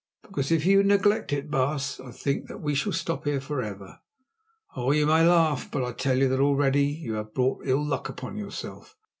"Because if you neglect it, baas, I think that we shall stop here for ever. Oh! you may laugh, but I tell you that already you have brought ill luck upon yourself.